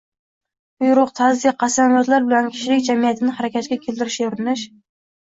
Buyruq, tazyiq, qasamyodlar bilan kishilik jamiyatini harakatga keltirishga urinish